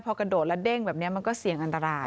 พอกระโดดแล้วเด้งแบบนี้มันก็เสี่ยงอันตราย